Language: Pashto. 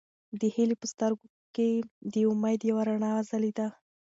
د هیلې په سترګو کې د امید یوه رڼا وځلېده.